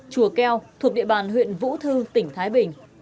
chùa keo thuộc địa bàn huyện vũ thư tỉnh thái bình